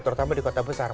terutama di kota besar